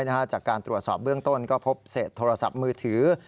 จากการตรวจสอบเบื้องต้นก็พบเศษโทรศัพท์มือถือ